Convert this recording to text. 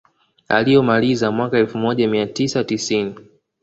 Aliyomaliza mwaka elfu moja mia tisa tisini